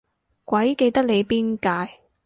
鬼記得你邊屆